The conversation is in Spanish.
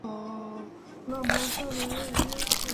Se encuentra en Argentina, Bolivia y, posiblemente, en Paraguay.